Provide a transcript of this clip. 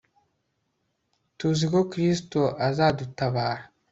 tuzi ko kristo azadutabara